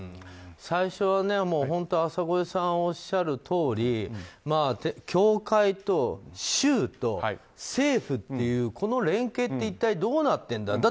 最初は浅越さんがおっしゃるとおり協会と州と政府というこの連携って一体どうなってるんだ。